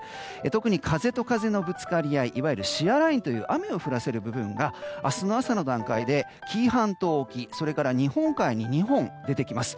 特に風と風のぶつかり合いいわゆるシアーラインという雨を降らせる部分が明日の朝の段階で紀伊半島沖それから日本海に２本出てきます。